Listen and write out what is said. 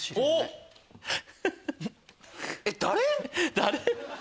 誰⁉